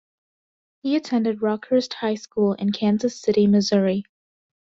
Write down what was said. He attended Rockhurst High School in Kansas City, Missouri.